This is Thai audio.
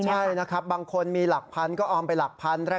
ใช่นะครับบางคนมีหลักพันก็ออมไปหลักพัน